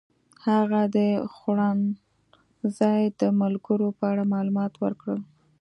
هغه د خوړنځای د ملګرو په اړه معلومات ورکړل.